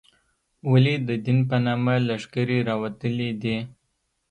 ولې د دین په نامه لښکرې راوتلې دي.